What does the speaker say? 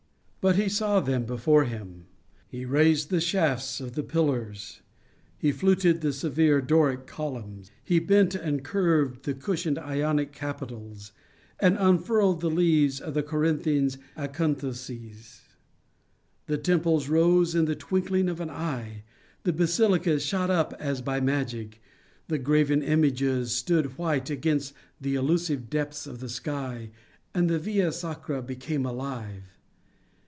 But he saw them before him. He raised the shafts of the pillars, he fluted the severe Doric columns, he bent and curved the cushioned Ionic capitals and unfurled the leaves of the Corinthian acanthuses; the temples rose in the twinkling of an eye, the basilicas shot up as by magic, the graven images stood white against the elusive depths of the sky and the Via Sacra became alive.